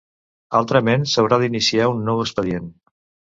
Altrament s'haurà d'iniciar un nou expedient.